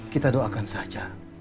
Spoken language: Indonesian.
kita doakan saja